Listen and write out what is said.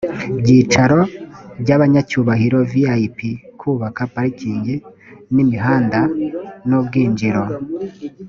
byicaro by abanyacyubahiro vip kubaka parking imihanda n ubwinjiro